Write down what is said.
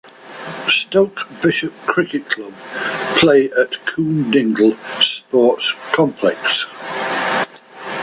Stoke Bishop Cricket Club play at Coombe Dingle Sports Complex.